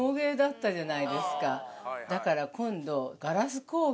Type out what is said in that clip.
だから今度。